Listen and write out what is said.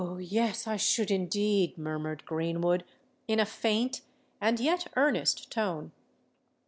yes, I should indeed!" murmured Greenwood, in a faint and yet earnest tone.